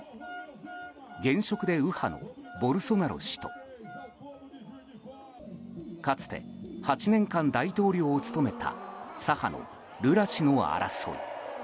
現職で右派のボルソナロ氏とかつて８年間、大統領を務めた左派のルラ氏の争い。